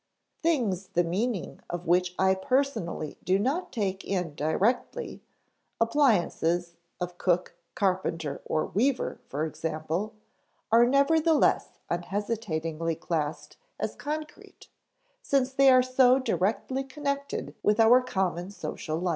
Things the meaning of which I personally do not take in directly, appliances of cook, carpenter, or weaver, for example, are nevertheless unhesitatingly classed as concrete, since they are so directly connected with our common social life.